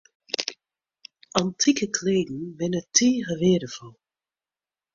Antike kleden binne tige weardefol.